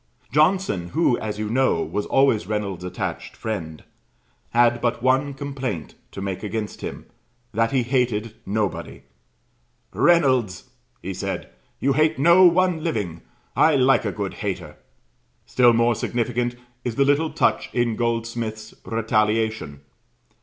Johnson, who, as you know, was always Reynolds' attached friend, had but one complaint to make against him, that he hated nobody: "Reynolds," he said, "you hate no one living; I like a good hater!" Still more significant is the little touch in Goldsmith's "Retaliation."